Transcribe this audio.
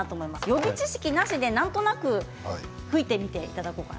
予備知識なしでなんとなく吹いてみていただこうかな。